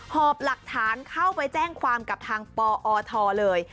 หอบหลักฐานเข้าไปแจ้งความกับทางปอทเลย